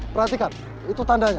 perhatikan itu tandanya